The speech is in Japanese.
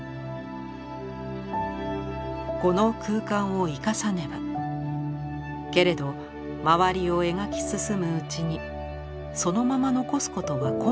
「この空間を生かさねばけれどまわりを描き進むうちにそのまま残すことは困難となりました。